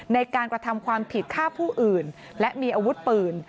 ในการกระทำความผิดฆ่าผู้อื่นและมีอาวุธปืน